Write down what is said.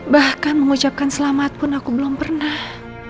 bahkan mengucapkan selamat pun aku belum pernah